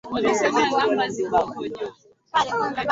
Vifo huweza kujitokeza kwa asilimia sabini ya wanyama wachanga